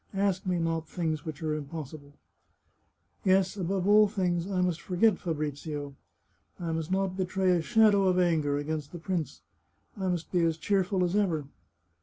Ask me not things which are impossible !" Yes, above all things, I must forget Fabrizio. I must not betray a shadow of anger against the prince. I must be as cheerful as ever.